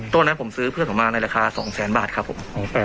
ต้นนั้นผมซื้อเพิ่มของมาในราคา๒๐๐บาทครับผม